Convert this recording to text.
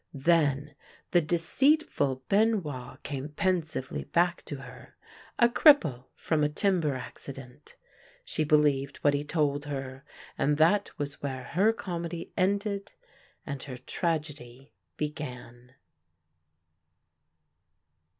Then the deceitful Benoit came pensively back to her, a cripple from a timber accident. She believed what he told her: and that was where her comedy ended and her tragedy began.